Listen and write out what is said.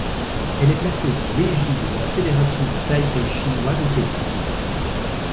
Elle est placée sous l'égide de la Fédération de Taipei chinois de tennis.